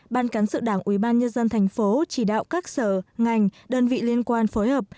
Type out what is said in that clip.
ban cán sự đảng ủy ban nhân dân thành phố chỉ đạo các sở ngành đơn vị liên quan phối hợp